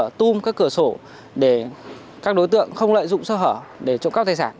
và tung các cửa sổ để các đối tượng không lợi dụng sơ hở để trộm cắp tài sản